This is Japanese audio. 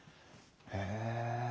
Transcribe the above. へえ。